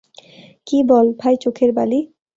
কী বল, ভাই চোখের বালি।